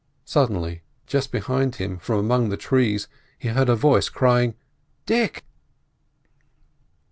Suddenly, just behind him, from among the trees, he heard her voice, crying: "Dick!"